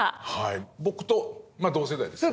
僕と同世代ですね。